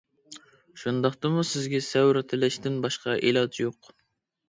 شۇنداقتىمۇ سىزگە سەۋر تىلەشتىن باشقا ئىلاج يوق.